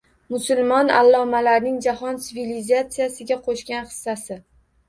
Musulmon allomalarning jahon sivilizatsiyasiga qo‘shgan hissasi